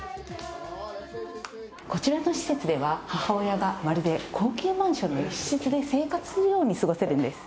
こちらの施設では、母親がまるで高級マンションの一室で生活するように過ごせるんです。